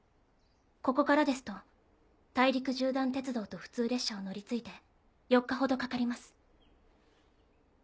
ここからですと大陸縦断鉄道と普通列車を乗り継いで４日ほどかかります。